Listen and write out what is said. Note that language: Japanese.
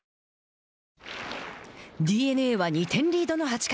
ＤｅＮＡは２点リードの８回。